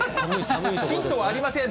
ヒントはありません。